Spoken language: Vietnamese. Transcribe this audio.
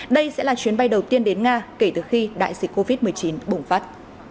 đây sẽ là chuyến bay đầu tiên đến nga kể từ khi đại dịch covid một mươi chín bùng phát